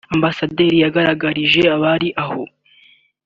Ambasaderi yagaragarije abari aho